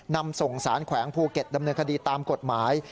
นำส่งสารแขวงภูเก็ตดำเนินคดีตามกฎหมาย